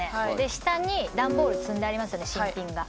下に段ボール積んでありますよね新品が。